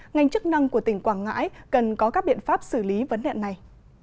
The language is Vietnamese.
ngành chức năng của tỉnh quảng ngãi cần có các biện pháp xử lý vấn đề này